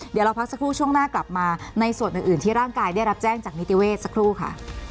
เดี๋ยวเราพักสักครู่ช่วงหน้ากลับมาในส่วนอื่นที่ร่างกายได้รับแจ้งจากนิติเวศสักครู่ค่ะ